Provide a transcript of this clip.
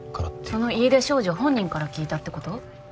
その家出少女本人から聞いたってこと？